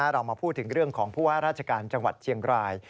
เรามาพูดถึงเรื่องของผู้ว่าราชการจังหวัดเชียงราย